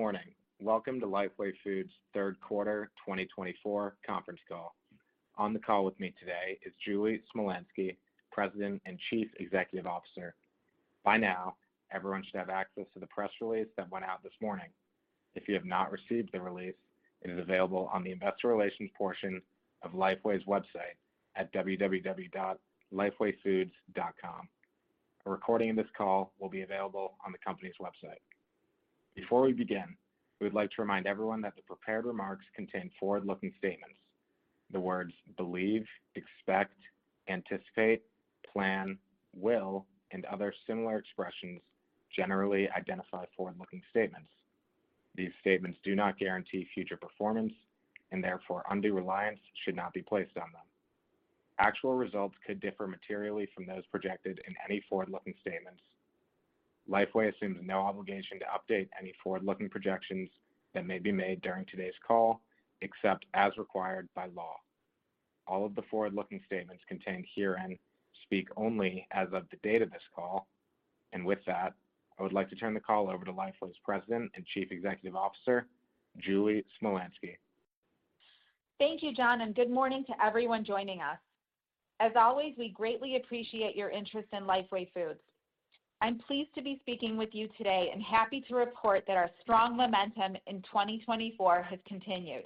Good morning. Welcome to Lifeway Foods' Third Quarter 2024 Conference Call. On the call with me today is Julie Smolyansky, President and Chief Executive Officer. By now, everyone should have access to the press release that went out this morning. If you have not received the release, it is available on the Investor Relations portion of Lifeway's website at www.lifewayfoods.com. A recording of this call will be available on the company's website. Before we begin, we would like to remind everyone that the prepared remarks contain forward-looking statements. The words "believe," "expect," "anticipate," "plan," "will," and other similar expressions generally identify forward-looking statements. These statements do not guarantee future performance, and therefore undue reliance should not be placed on them. Actual results could differ materially from those projected in any forward-looking statements. Lifeway assumes no obligation to update any forward-looking projections that may be made during today's call, except as required by law. All of the forward-looking statements contained herein speak only as of the date of this call. And with that, I would like to turn the call over to Lifeway's President and Chief Executive Officer, Julie Smolyansky. Thank you, John, and good morning to everyone joining us. As always, we greatly appreciate your interest in Lifeway Foods. I'm pleased to be speaking with you today and happy to report that our strong momentum in 2024 has continued.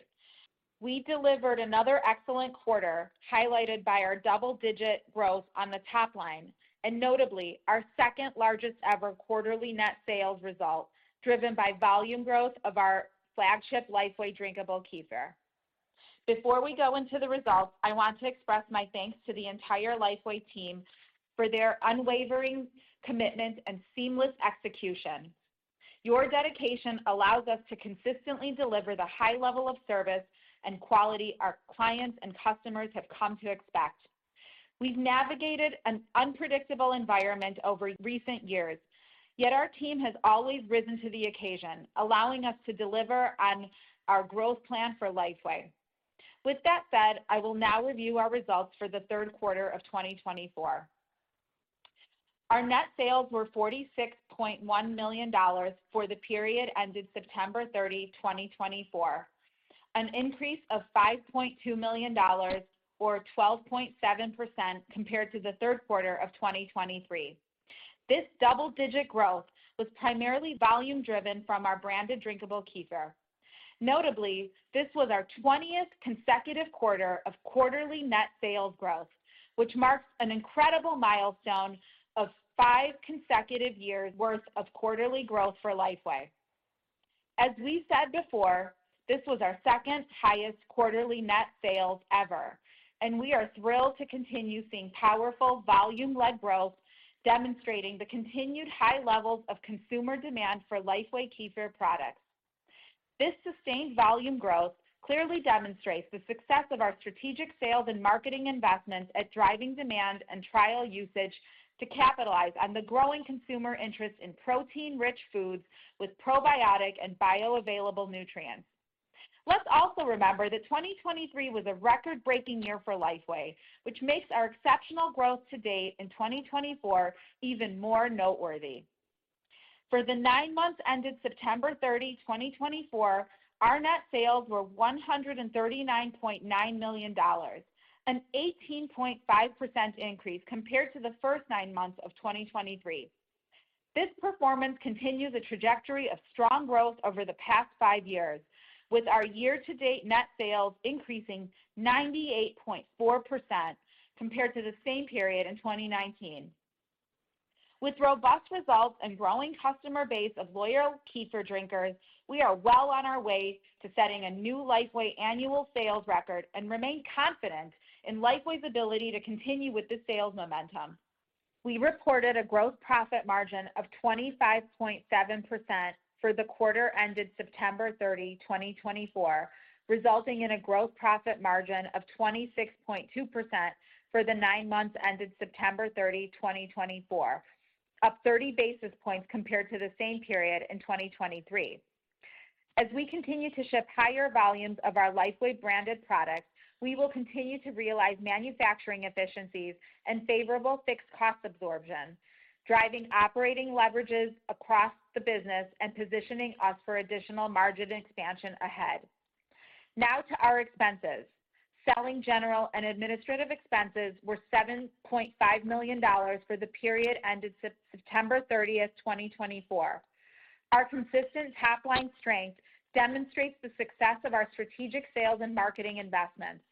We delivered another excellent quarter, highlighted by our double-digit growth on the top line, and notably, our second-largest ever quarterly net sales result, driven by volume growth of our flagship Lifeway Drinkable Kefir. Before we go into the results, I want to express my thanks to the entire Lifeway team for their unwavering commitment and seamless execution. Your dedication allows us to consistently deliver the high level of service and quality our clients and customers have come to expect. We've navigated an unpredictable environment over recent years, yet our team has always risen to the occasion, allowing us to deliver on our growth plan for Lifeway. With that said, I will now review our results for the third quarter of 2024. Our net sales were $46.1 million for the period ended September 30th, 2024, an increase of $5.2 million, or 12.7%, compared to the third quarter of 2023. This double-digit growth was primarily volume-driven from our branded Drinkable Kefir. Notably, this was our 20th consecutive quarter of quarterly net sales growth, which marks an incredible milestone of five consecutive years' worth of quarterly growth for Lifeway. As we said before, this was our second-highest quarterly net sales ever, and we are thrilled to continue seeing powerful volume-led growth, demonstrating the continued high levels of consumer demand for Lifeway Kefir products. This sustained volume growth clearly demonstrates the success of our strategic sales and marketing investments at driving demand and trial usage to capitalize on the growing consumer interest in protein-rich foods with probiotic and bioavailable nutrients. Let's also remember that 2023 was a record-breaking year for Lifeway, which makes our exceptional growth to date in 2024 even more noteworthy. For the nine months ended September 30th, 2024, our net sales were $139.9 million, an 18.5% increase compared to the first nine months of 2023. This performance continues a trajectory of strong growth over the past five years, with our year-to-date net sales increasing 98.4% compared to the same period in 2019. With robust results and a growing customer base of loyal kefir drinkers, we are well on our way to setting a new Lifeway annual sales record and remain confident in Lifeway's ability to continue with this sales momentum. We reported a gross profit margin of 25.7% for the quarter ended September 30th, 2024, resulting in a gross profit margin of 26.2% for the nine months ended September 30th, 2024, up 30 basis points compared to the same period in 2023. As we continue to ship higher volumes of our Lifeway branded products, we will continue to realize manufacturing efficiencies and favorable fixed cost absorption, driving operating leverage across the business and positioning us for additional margin expansion ahead. Now to our expenses. Selling, general, and administrative expenses were $7.5 million for the period ended September 30th, 2024. Our consistent top-line strength demonstrates the success of our strategic sales and marketing investments.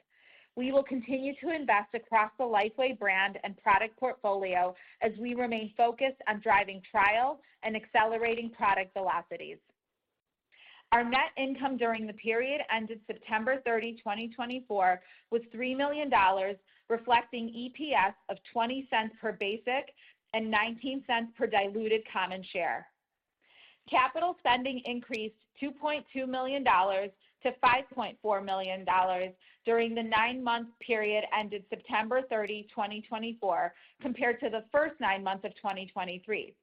We will continue to invest across the Lifeway brand and product portfolio as we remain focused on driving trial and accelerating product velocities. Our net income during the period ended September 30th, 2024, was $3 million, reflecting EPS of $0.20 per basic and $0.19 per diluted common share. Capital spending increased $2.2 million to $5.4 million during the nine-month period ended September 30th, 2024, compared to the first nine months of 2023.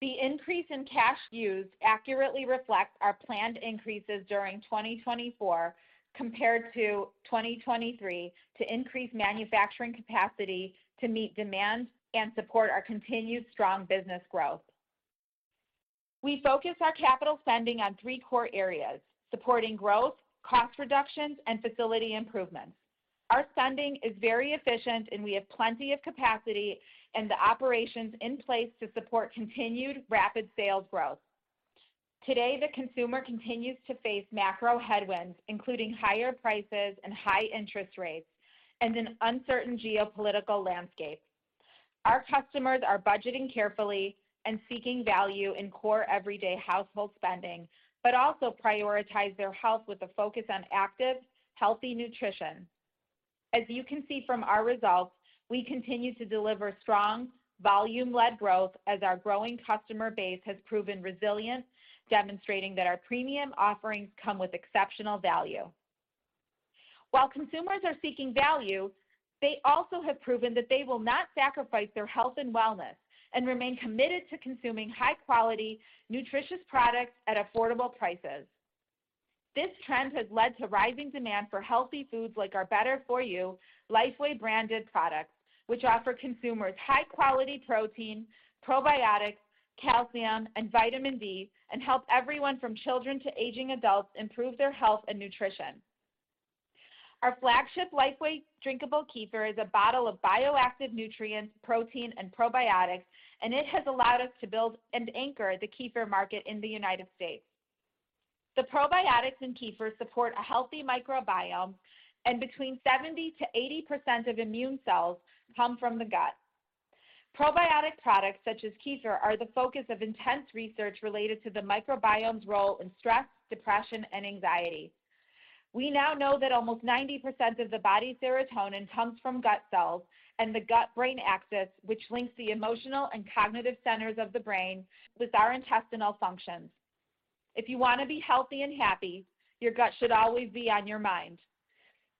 The increase in cash used accurately reflects our planned increases during 2024 compared to 2023 to increase manufacturing capacity to meet demand and support our continued strong business growth. We focus our capital spending on three core areas: supporting growth, cost reductions, and facility improvements. Our spending is very efficient, and we have plenty of capacity and the operations in place to support continued rapid sales growth. Today, the consumer continues to face macro headwinds, including higher prices and high interest rates, and an uncertain geopolitical landscape. Our customers are budgeting carefully and seeking value in core everyday household spending, but also prioritize their health with a focus on active, healthy nutrition. As you can see from our results, we continue to deliver strong volume-led growth as our growing customer base has proven resilient, demonstrating that our premium offerings come with exceptional value. While consumers are seeking value, they also have proven that they will not sacrifice their health and wellness and remain committed to consuming high-quality, nutritious products at affordable prices. This trend has led to rising demand for healthy foods like our better-for-you Lifeway branded products, which offer consumers high-quality protein, probiotics, calcium, and vitamin D, and help everyone from children to aging adults improve their health and nutrition. Our flagship Lifeway Drinkable Kefir is a bottle of bioactive nutrients, protein, and probiotics, and it has allowed us to build and anchor the kefir market in the United States. The probiotics in kefir support a healthy microbiome, and between 70%-80% of immune cells come from the gut. Probiotic products such as kefir are the focus of intense research related to the microbiome's role in stress, depression, and anxiety. We now know that almost 90% of the body's serotonin comes from gut cells and the gut-brain axis, which links the emotional and cognitive centers of the brain with our intestinal functions. If you want to be healthy and happy, your gut should always be on your mind.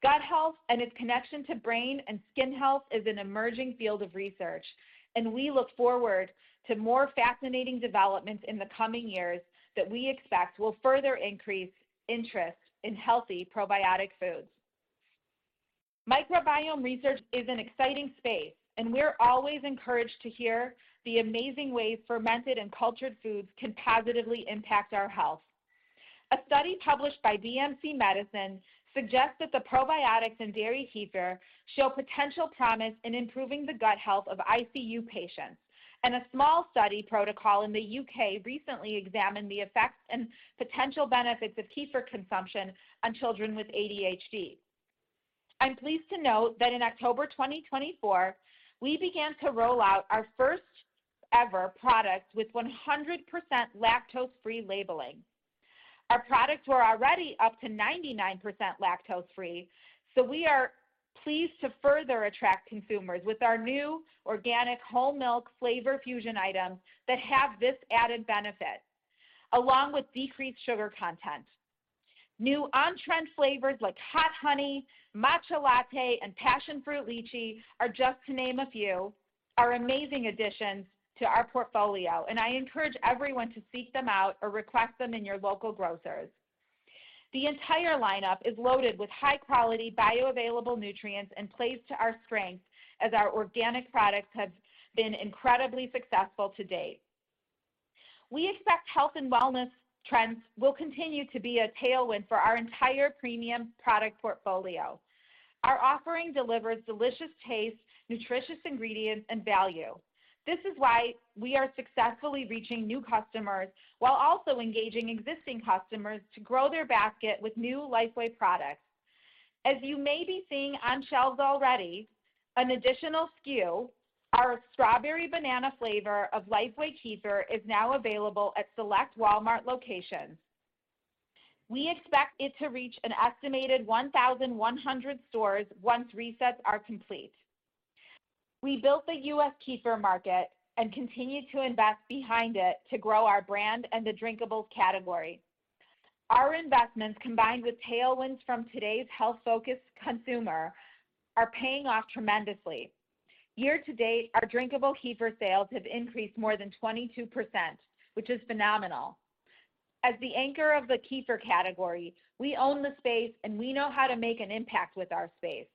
Gut health and its connection to brain and skin health is an emerging field of research, and we look forward to more fascinating developments in the coming years that we expect will further increase interest in healthy probiotic foods. Microbiome research is an exciting space, and we're always encouraged to hear the amazing ways fermented and cultured foods can positively impact our health. A study published by BMC Medicine suggests that the probiotics in dairy kefir show potential promise in improving the gut health of ICU patients, and a small study protocol in the U.K. recently examined the effects and potential benefits of kefir consumption on children with ADHD. I'm pleased to note that in October 2024, we began to roll out our first-ever product with 100% lactose-free labeling. Our products were already up to 99% lactose-free, so we are pleased to further attract consumers with our new organic whole milk Flavor Fusion items that have this added benefit, along with decreased sugar content. New on-trend flavors like Hot Honey, Matcha Latte, and Passion Fruit Lychee, just to name a few, are amazing additions to our portfolio, and I encourage everyone to seek them out or request them in your local grocers. The entire lineup is loaded with high-quality bioavailable nutrients and plays to our strength as our organic products have been incredibly successful to date. We expect health and wellness trends will continue to be a tailwind for our entire premium product portfolio. Our offering delivers delicious taste, nutritious ingredients, and value. This is why we are successfully reaching new customers while also engaging existing customers to grow their basket with new Lifeway products. As you may be seeing on shelves already, an additional SKU, our Strawberry Banana flavor of Lifeway Kefir, is now available at select Walmart locations. We expect it to reach an estimated 1,100 stores once resets are complete. We built the U.S. kefir market and continue to invest behind it to grow our brand and the drinkables category. Our investments, combined with tailwinds from today's health-focused consumer, are paying off tremendously. Year to date, our Drinkable Kefir sales have increased more than 22%, which is phenomenal. As the anchor of the kefir category, we own the space, and we know how to make an impact with our space.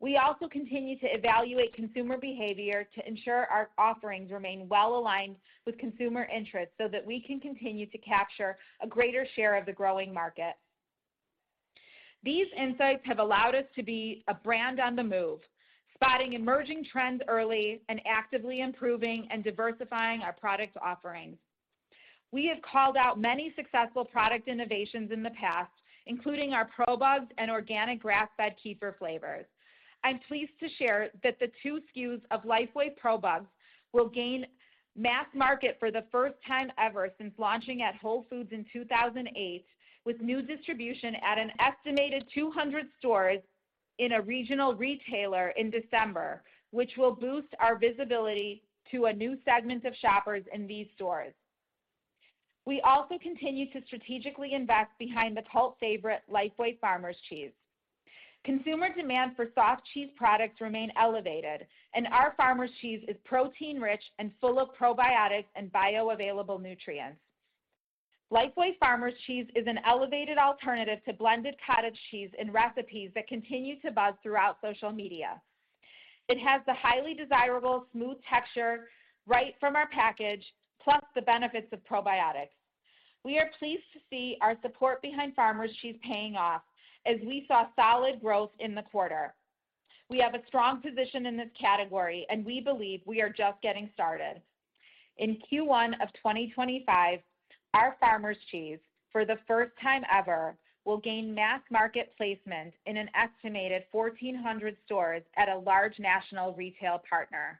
We also continue to evaluate consumer behavior to ensure our offerings remain well-aligned with consumer interests so that we can continue to capture a greater share of the growing market. These insights have allowed us to be a brand on the move, spotting emerging trends early and actively improving and diversifying our product offerings. We have called out many successful product innovations in the past, including our ProBugs and organic grass-fed kefir flavors. I'm pleased to share that the two SKUs of Lifeway ProBugs will gain mass market for the first time ever since launching at Whole Foods in 2008, with new distribution at an estimated 200 stores in a regional retailer in December, which will boost our visibility to a new segment of shoppers in these stores. We also continue to strategically invest behind the cult favorite Lifeway Farmer Cheese. Consumer demand for soft cheese products remains elevated, and our Farmer Cheese is protein-rich and full of probiotics and bioavailable nutrients. Lifeway Farmer Cheese is an elevated alternative to blended cottage cheese in recipes that continue to buzz throughout social media. It has the highly desirable smooth texture right from our package, plus the benefits of probiotics. We are pleased to see our support behind Farmer Cheese paying off as we saw solid growth in the quarter. We have a strong position in this category, and we believe we are just getting started. In Q1 of 2025, our Farmer Cheese, for the first time ever, will gain mass market placement in an estimated 1,400 stores at a large national retail partner.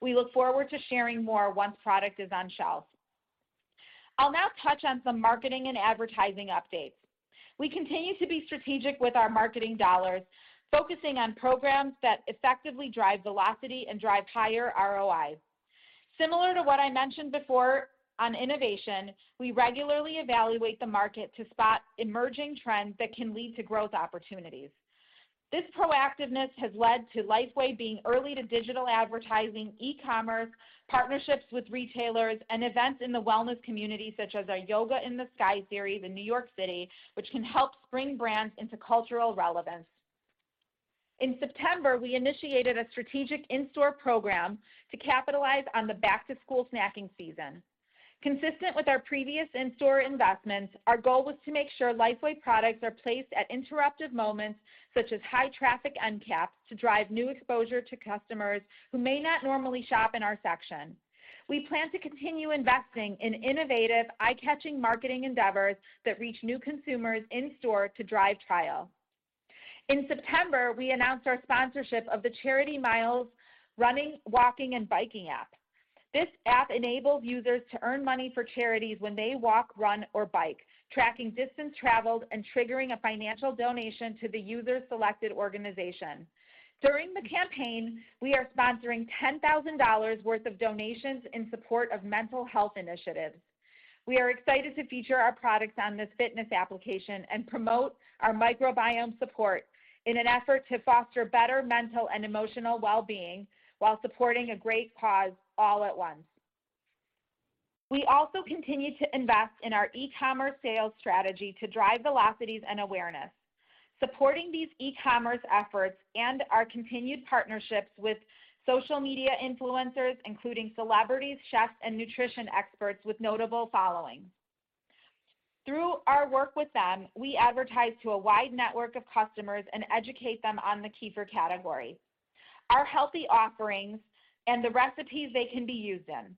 We look forward to sharing more once product is on shelf. I'll now touch on some marketing and advertising updates. We continue to be strategic with our marketing dollars, focusing on programs that effectively drive velocity and drive higher ROI. Similar to what I mentioned before on innovation, we regularly evaluate the market to spot emerging trends that can lead to growth opportunities. This proactiveness has led to Lifeway being early to digital advertising, e-commerce, partnerships with retailers, and events in the wellness community, such as our Yoga in the Sky series in New York City, which can help bring brands into cultural relevance. In September, we initiated a strategic in-store program to capitalize on the back-to-school snacking season. Consistent with our previous in-store investments, our goal was to make sure Lifeway products are placed at interruptive moments such as high-traffic end caps to drive new exposure to customers who may not normally shop in our section. We plan to continue investing in innovative, eye-catching marketing endeavors that reach new consumers in-store to drive trial. In September, we announced our sponsorship of the Charity Miles running, walking, and biking app. This app enables users to earn money for charities when they walk, run, or bike, tracking distance traveled and triggering a financial donation to the user-selected organization. During the campaign, we are sponsoring $10,000 worth of donations in support of mental health initiatives. We are excited to feature our products on this fitness application and promote our microbiome support in an effort to foster better mental and emotional well-being while supporting a great cause all at once. We also continue to invest in our e-commerce sales strategy to drive velocities and awareness, supporting these e-commerce efforts and our continued partnerships with social media influencers, including celebrities, chefs, and nutrition experts with notable following. Through our work with them, we advertise to a wide network of customers and educate them on the kefir category, our healthy offerings, and the recipes they can be used in.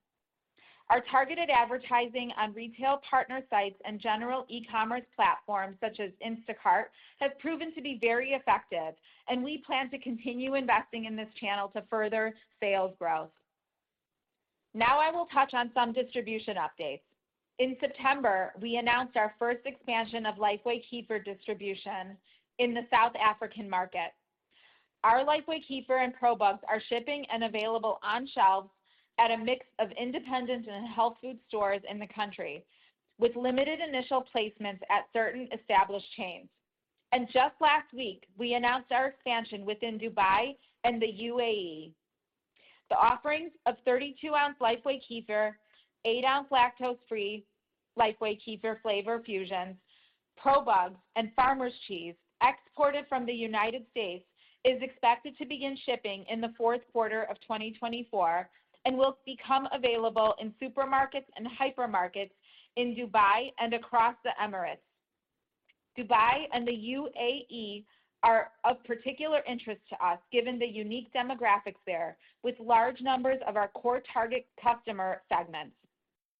Our targeted advertising on retail partner sites and general e-commerce platforms such as Instacart has proven to be very effective, and we plan to continue investing in this channel to further sales growth. Now I will touch on some distribution updates. In September, we announced our first expansion of Lifeway Kefir distribution in the South African market. Our Lifeway Kefir and ProBugs are shipping and available on shelves at a mix of independent and health food stores in the country, with limited initial placements at certain established chains, and just last week, we announced our expansion within Dubai and the UAE. The offerings of 32 oz Lifeway Kefir, 8 oz lactose-free Lifeway Kefir Flavor Fusions, ProBugs, and Farmer Cheese exported from the United States are expected to begin shipping in the fourth quarter of 2024 and will become available in supermarkets and hypermarkets in Dubai and across the Emirates. Dubai and the UAE are of particular interest to us given the unique demographics there, with large numbers of our core target customer segments.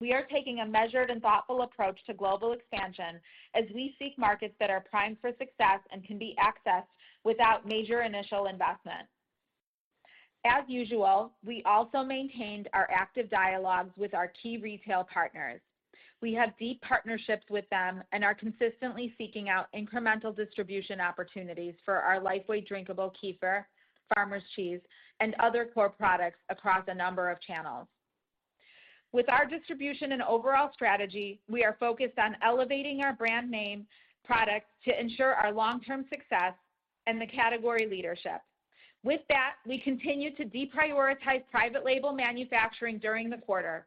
We are taking a measured and thoughtful approach to global expansion as we seek markets that are primed for success and can be accessed without major initial investment. As usual, we also maintained our active dialogues with our key retail partners. We have deep partnerships with them and are consistently seeking out incremental distribution opportunities for our Lifeway Drinkable Kefir, Farmer Cheese, and other core products across a number of channels. With our distribution and overall strategy, we are focused on elevating our brand name products to ensure our long-term success and the category leadership. With that, we continue to deprioritize private label manufacturing during the quarter.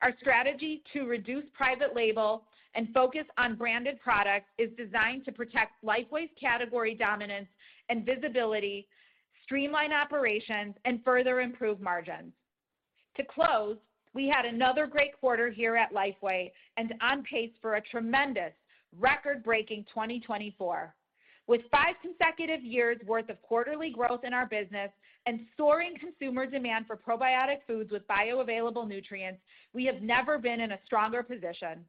Our strategy to reduce private label and focus on branded products is designed to protect Lifeway's category dominance and visibility, streamline operations, and further improve margins. To close, we had another great quarter here at Lifeway and on pace for a tremendous, record-breaking 2024. With five consecutive years' worth of quarterly growth in our business and soaring consumer demand for probiotic foods with bioavailable nutrients, we have never been in a stronger position.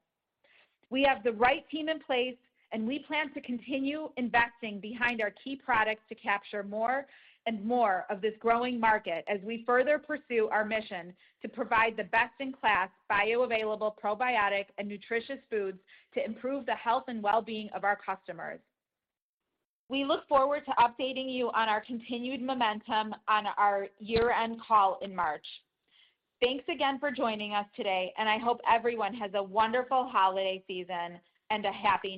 We have the right team in place, and we plan to continue investing behind our key products to capture more and more of this growing market as we further pursue our mission to provide the best-in-class bioavailable probiotic and nutritious foods to improve the health and well-being of our customers. We look forward to updating you on our continued momentum on our year-end call in March. Thanks again for joining us today, and I hope everyone has a wonderful holiday season and a happy New Year.